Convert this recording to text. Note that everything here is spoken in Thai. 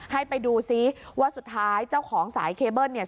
ให้ไปดูซิว่าสุดท้ายเจ้าของสายเคเบิ้ลเนี่ย